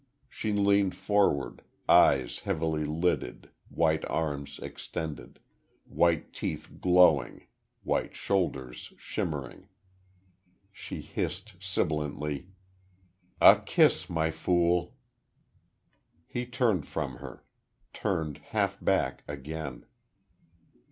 She leaned forward, eyes heavy lidded, white arms extended, white teeth glowing, white shoulders shimmering. She hissed, sibilantly: "A kiss, My Fool!" He turned from her.... Turned half back again....